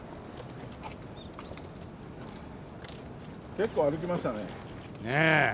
結構歩きましたね。ね！